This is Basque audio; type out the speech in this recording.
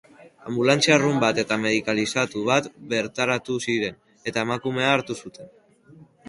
Anbulantzia arrunt bat eta medikalizatu bat bertaratu ziren, eta emakumea artatu zuten.